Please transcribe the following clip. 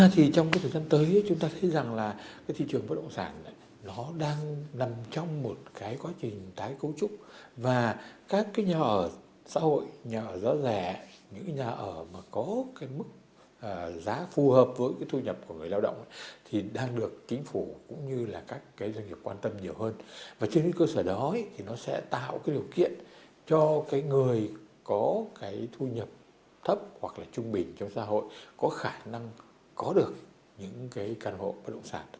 thì nó sẽ tạo cái điều kiện cho cái người có cái thu nhập thấp hoặc là trung bình trong xã hội có khả năng có được những cái căn hộ bất động sản